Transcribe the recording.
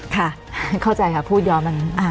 ค่ะเข้าใจค่ะพูดย้อนมัน